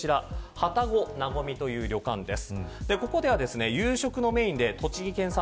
旅籠なごみという旅館です。